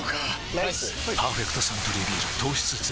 ライス「パーフェクトサントリービール糖質ゼロ」